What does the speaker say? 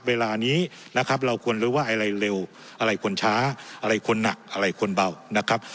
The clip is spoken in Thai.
เวลานี้นะครับเราควรรู้ว่าอะไรเร็วอะไรควรช้าอะไรควรหนักอะไรควรเบานะครับ